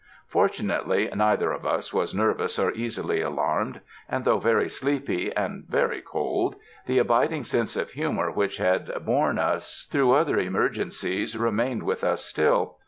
Fortunately neither of us was nervous or easily alarmed, and though very sleepy and very cold, the abiding sense of humor which had borne us through 14 o THE DESERTS other emergencies, remained with us still.